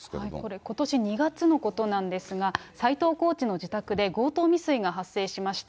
これ、ことし２月のことなんですが、斎藤コーチの自宅で、強盗未遂が発生しました。